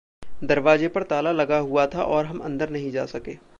दरवाज़े पर ताला लगा हुआ था और हम अंदर नहीं जा सके।